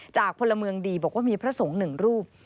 พลเมืองดีบอกว่ามีพระสงฆ์หนึ่งรูป